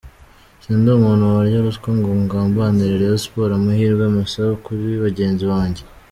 Sindi umuntu warya ruswa ngo ngambanire Rayon Sports…Amahirwe masa kuri bagenzi banjye.